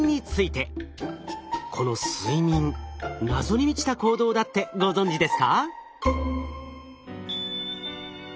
この睡眠謎に満ちた行動だってご存じですか？